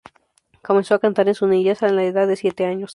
Comenzó a cantar en su niñez a la edad de siete años.